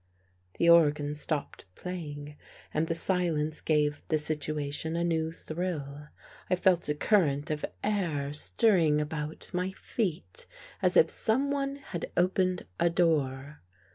The organ stopped playing and the silence gave the situation a new thrill. I felt a current of air ii6 FIGHTING THE DEVIL WITH FIRE stirring about my feet as if someone had opened a door.